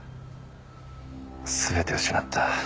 全て失った。